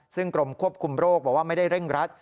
ซึ่งกรมควบคุมโรคบอกว่าไม่ได้เร่งรัด